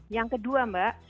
yang kedua mbak